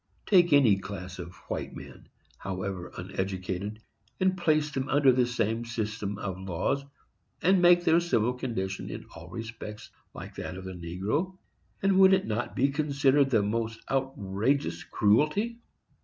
Take any class of white men, however uneducated, and place them under the same system of laws, and make their civil condition in all respects like that of the negro, and would it not be considered the most outrageous cruelty?